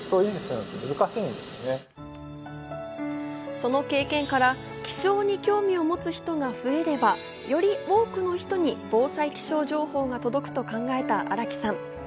その経験から気象に興味を持つ人が増えれば、より多くの人に防災気象情報が届くと考えた荒木さん。